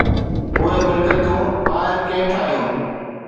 اهي ملڪيتون ٻاهر ڪنهن ٺاهيو؟